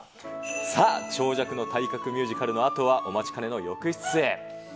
さあ、長尺の体格ミュージカルのあとは、お待ちかねの浴室へ。